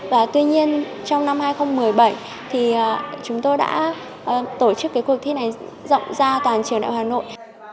và tuy nhiên trong năm hai nghìn một mươi bảy thì chúng tôi đã tổ chức cái cuộc thi này rộng ra toàn trường đại học hà nội